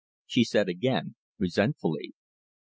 she said again resentfully.